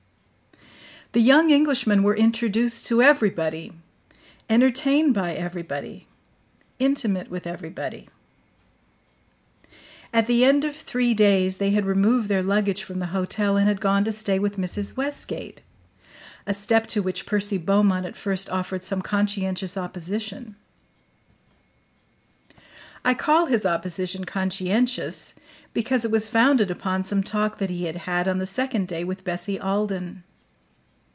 The young Englishmen were introduced to everybody, entertained by everybody, intimate with everybody. At the end of three days they had removed their luggage from the hotel and had gone to stay with Mrs. Westgate a step to which Percy Beaumont at first offered some conscientious opposition. I call his opposition conscientious, because it was founded upon some talk that he had had, on the second day, with Bessie Alden.